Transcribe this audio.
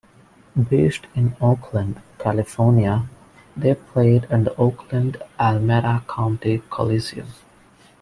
Based in Oakland, California; they played at the Oakland-Alameda County Coliseum.